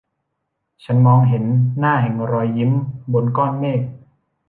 ฉันมองเห็นหน้าแห่งรอยยิ้มบนก้อนเมฆ